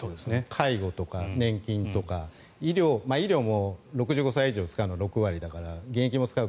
介護とか年金とか医療も６５歳以上、６割だから現役も使う。